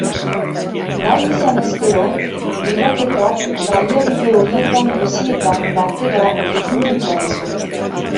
Nahi izanez gero, bilaketak baliabide horietan guztietan batera egin ditzakezu.